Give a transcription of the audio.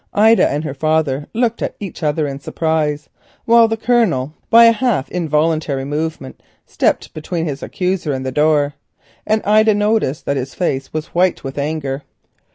Ida and her father looked at each other in surprise, while the Colonel by a half involuntary movement stepped between his accuser and the door; and Ida noticed that his face was white with anger.